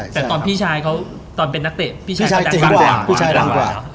แต่ตอนพี่ชายเป็นนักเตะต่างกว่า